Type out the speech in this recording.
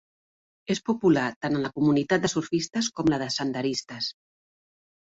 És popular tant en la comunitat de surfistes com en la de senderistes.